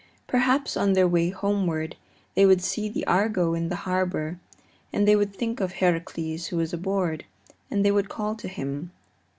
Perhaps on their way homeward they would see the Argo in the harbor, and they would think of Heracles who was aboard, and they would call to him.